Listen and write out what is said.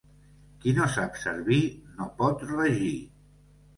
Qui no sap servir, no pot regir.